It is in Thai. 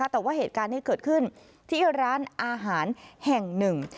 แต่ว่าเหตุการณ์นี้เกิดขึ้นที่ร้านอาหารแห่งหนึ่ง